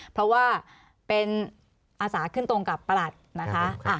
เพราะว่าเป็นอาสาขึ้นตรงกับประหลัดนะคะ